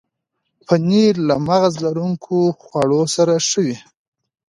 پنېر له مغز لرونکو خواړو سره ښه وي.